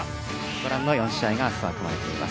ご覧の４試合があすは組まれています。